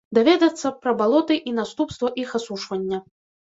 Даведацца пра балоты і наступствы іх асушвання.